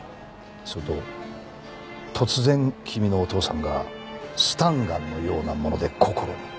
すると突然君のお父さんがスタンガンのようなものでこころに襲いかかった。